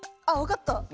あわかった！